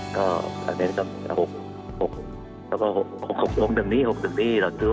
ก็ประเด็นต่อปี๖๐๖๑เราซื้อวัคซีนแต่๖๐๖๑แล้วไม่ได้ซื้อวัคซีน